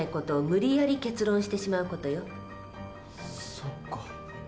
そっか。